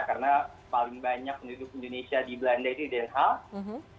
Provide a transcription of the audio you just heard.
karena paling banyak penduduk indonesia di belanda itu di den haag